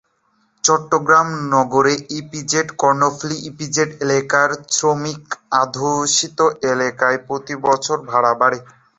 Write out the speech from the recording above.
চট্টগ্রাম নগরের EPZ, Karnaphuli EPZ এলাকায় শ্রমিক-অধ্যুষিত এলাকায় প্রতিবছরই ভাড়া বাড়ে।